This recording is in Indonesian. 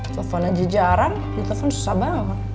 telepon aja jarang di telepon susah banget